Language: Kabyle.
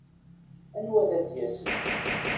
Anwa ad d-yasen?